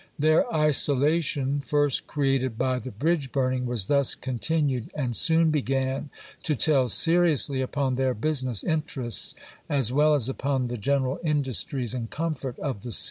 Their isola tion, first created by the bridge burning, was thus continued and soon began to tell seriously upon their business interests, as well as upon the gen eral industries and comfort of the cit3^ On the 1861.